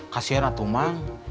kasian atuh mang